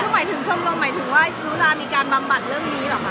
คือหมายถึงชมรมหมายถึงว่าลุลามีการบำบัดเรื่องนี้เหรอคะ